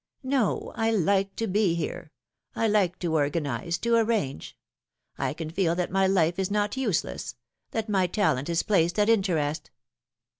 " No ; I like to be here ; I like to organise, to arrange. I can feel that my life is not useless, that my talent is placed at interest."